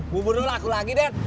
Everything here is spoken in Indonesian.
bubur dulu aku lagi dad